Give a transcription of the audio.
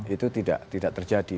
itu tidak tidak terjadi